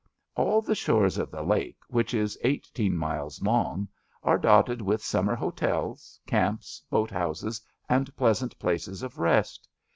All the shores of the lake, which is eighteen miles long, are dotted with summer hotels, camps, boat houses and pleasant places of rest.